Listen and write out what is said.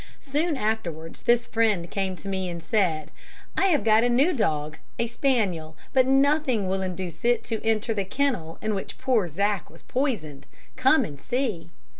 Soon afterwards this friend came to me and said, "I have got a new dog a spaniel but nothing will induce it to enter the kennel in which poor Zack was poisoned. Come and see!"